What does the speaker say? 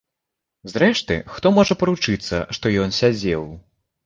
Зрэшты, хто можа паручыцца, што ён сядзеў.